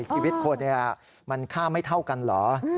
ชีวิตคนมันค่าไม่เท่ากันเหรอ